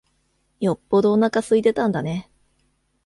よっぽどおなか空いてたんだね。